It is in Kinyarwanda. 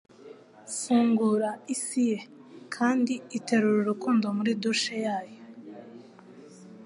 Fungura isi ye, kandi iterura urukundo muri douche yayo.